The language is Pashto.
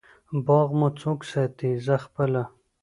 باغ مو څوک ساتی؟ زه پخپله